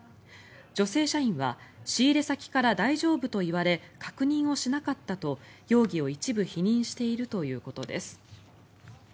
女性社員は仕入れ先から大丈夫と言われ確認をしなかったと容疑を一部否認しているということです。